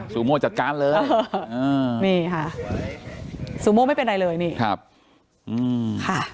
ซูโม่จัดการเลยนี่ค่ะซูโม่ไม่เป็นไรเลยนี่ครับอืมค่ะ